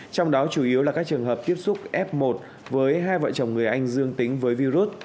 trong đó chủ yếu là các trường hợp tiếp xúc f một với hai vợ chồng người anh dương tính với virus